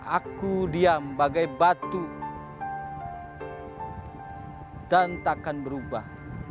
aku diam bagai batu dan takkan berubah